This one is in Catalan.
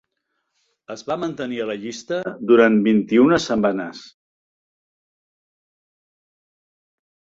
Es va mantenir a la llista durant vint-i-una setmanes.